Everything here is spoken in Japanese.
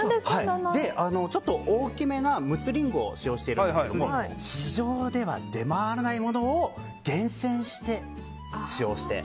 ちょっと大きめの陸奥りんごを使用してるんですが市場では出回らないものを厳選して使用して。